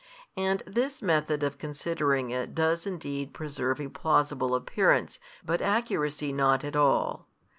And this method of considering it does indeed preserve a plausible appearance, but accuracy not at all.